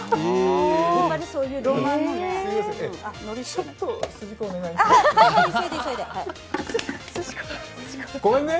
やっぱりそういうロマンのね。